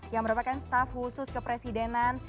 yang merupakan staff khusus kepresidenan